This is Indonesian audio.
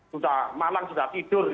sudah malang sudah tidur